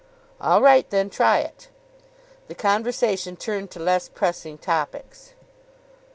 "All right then. Try it." The conversation turned to less pressing topics.